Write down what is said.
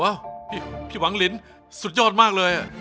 พี่หวังลินสุดยอดมากเลย